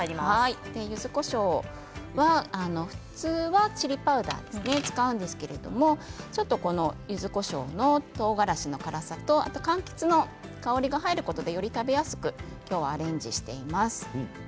普通はチリパウダーを使うんですが、ゆずこしょうのとうがらしの辛さとかんきつの香りが入ることでより食べやすくアレンジしています。